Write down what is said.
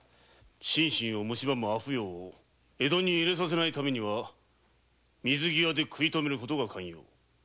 心身を蝕む阿芙蓉を江戸に入れさせないためには水際で食い止める事が肝要。